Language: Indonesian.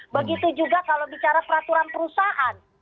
begitu juga kalau bicara peraturan perusahaan